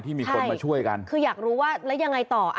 มีคนมาช่วยกันคืออยากรู้ว่าแล้วยังไงต่อ